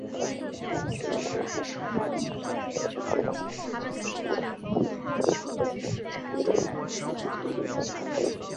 当俱乐部在新加坡职业足球联赛踢球时期球队的主场设在女皇镇体育场。